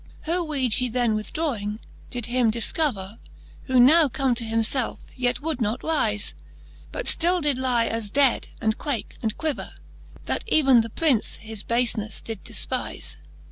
XXXII. Her weed flie then withdrawing, did him difcover. Who now come to himfelfe, yet would not rize,. But ftill did lie as dead, and quake, and quiver^. That even the Prince his bafeneffe did deipize.